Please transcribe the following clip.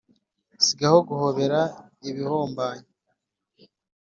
sigaho guhobera ibihombanya